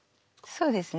そうですね。